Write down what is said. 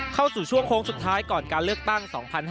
เข้าสู่ช่วงโค้งสุดท้ายก่อนการเลือกตั้ง๒๕๕๙